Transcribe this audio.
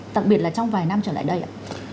đặc biệt là trong vài năm trở lại đây ạ